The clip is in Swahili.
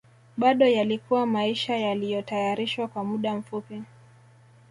Bado yalikuwa maisha yaliyotayarishwa kwa muda mfupi